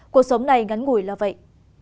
cuộc sống này ngắn ngủi là vậy